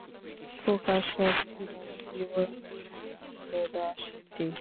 প্রকাশক ছিলেন জীবনানন্দ দাশ নিজেই।